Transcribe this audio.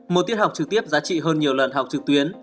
một tiết học trực tiếp giá trị hơn nhiều lần học trực tuyến